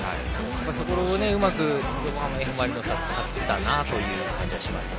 そこをうまく横浜Ｆ・マリノスは使ったなという感じがします。